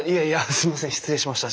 すみません失礼しました。